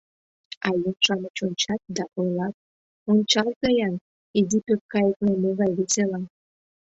А еҥ-шамыч ончат да ойлат: «Ончалза-ян, изи пӧрткайыкна могай весела!»